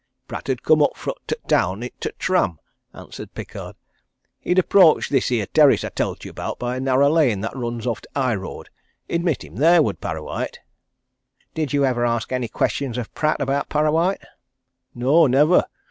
"Pratt 'ud come up fro' t' town i' t' tram," answered Pickard. "He'd approach this here terrace I tell'd you about by a narrow lane that runs off t' high road. He'd meet him there, would Parrawhite." "Did you ever ask any question of Pratt about Parrawhite?" "No never!